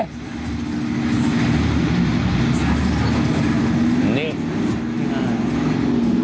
นี่